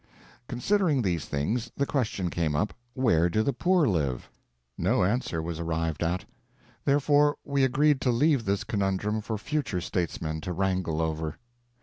Considering these things, the question came up, Where do the poor live? No answer was arrived at. Therefore, we agreed to leave this conundrum for future statesmen to wrangle over.